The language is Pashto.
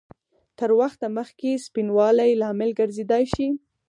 تر وخته مخکې سپینوالي لامل ګرځېدای شي؟